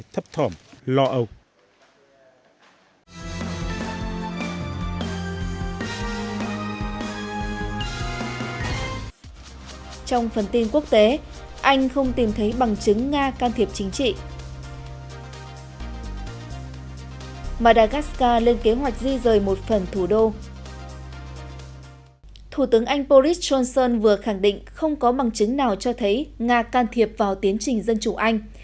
trần sơn vừa khẳng định không có bằng chứng nào cho thấy nga can thiệp vào tiến trình dân chủ anh